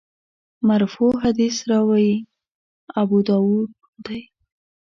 مرفوع حدیث راوي ابوداوود دی.